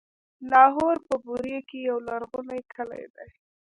لاهور په بوري کې يو لرغونی کلی دی.